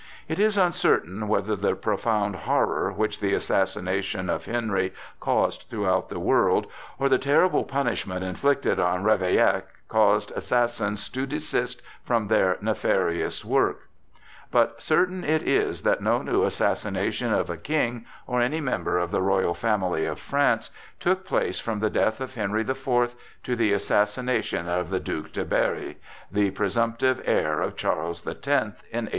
It is uncertain whether the profound horror which the assassination of Henry caused throughout the world, or the terrible punishment inflicted on Ravaillac, caused assassins to desist from their nefarious work, but certain it is that no new assassination of a king or any member of the royal family of France took place from the death of Henry the Fourth to the assassination of the Duc de Berry, the presumptive heir of Charles the Tenth, in 1820.